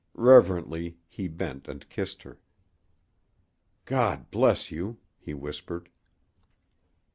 Reverently he bent and kissed her. "God bless you!" he whispered.